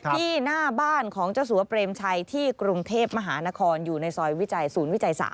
ที่หน้าบ้านของเจ้าสัวเปรมชัยที่กรุงเทพมหานครอยู่ในซอยวิจัยศูนย์วิจัย๓